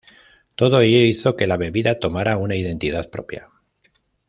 Todo ello hizo que la bebida tomara una identidad propia.